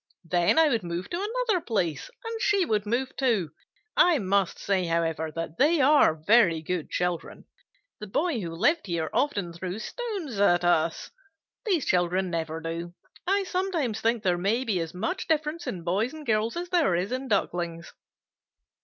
Then I would move to another place, and she would move too. I must say, however, that they are very good children. The Boy who lived here often threw stones at us. These children never do. I sometimes think there may be as much difference in Boys and Girls as there is in Ducklings."